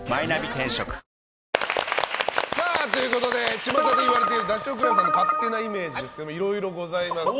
ちまたでいわれているダチョウ倶楽部さんの勝手なイメージですがいろいろございます。